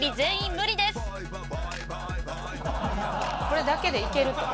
これだけでいけると？